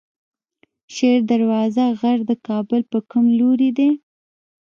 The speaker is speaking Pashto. شیر دروازه غر د کابل په کوم لوري دی؟